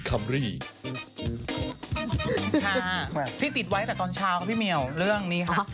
พี่ติดไว้แต่ตอนเช้าค่ะพี่เหมียวเรื่องนี้ค่ะ